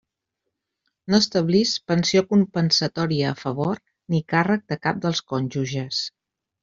No establisc pensió compensatòria a favor ni càrrec de cap dels cònjuges.